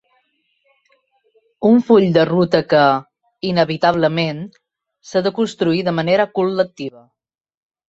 Un full de ruta que, inevitablement, s’ha de construir de manera col·lectiva.